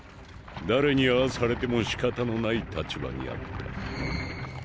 誰にあぁされてもしかたのない立場にあった。